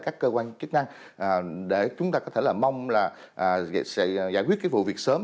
các cơ quan chức năng để chúng ta có thể là mong là sẽ giải quyết cái vụ việc sớm